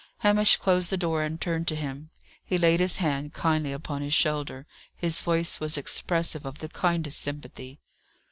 Hamish closed the door and turned to him. He laid his hand kindly upon his shoulder; his voice was expressive of the kindest sympathy.